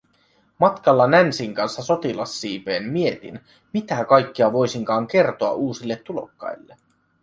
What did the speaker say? Matkalla Nancyn kanssa sotilassiipeen mietin, mitä kaikkea voisinkaan kertoa uusille tulokkaille.